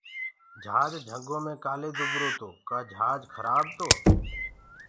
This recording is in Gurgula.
جھاج جھنٚگو مي ڪآلي دُبرو تو ڪآ جھاج کرآب تو